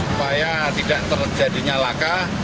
supaya tidak terjadinya laka